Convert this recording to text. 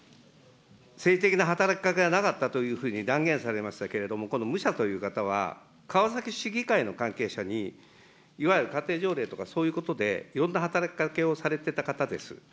政治的な働きかけがなかったというふうに断言されましたけれども、この武者という方は、川崎市議会の関係者に、いわゆるかていじょうれいとか、そういうことでいろんな働きかけをされていた方です。